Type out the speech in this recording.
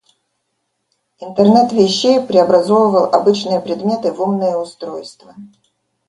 Интернет вещей преобразовывал обычные предметы в умные устройства.